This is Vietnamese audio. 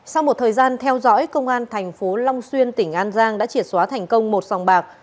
sau một thời gian theo dõi công an thành phố long xuyên tỉnh an giang đã triệt xóa thành công một sòng bạc